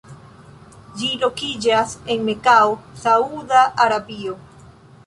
Ĝi lokiĝas en Mekao, Sauda Arabio.